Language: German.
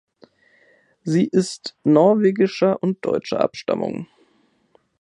Sie ist norwegischer und deutscher Abstammung.